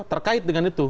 terkait dengan itu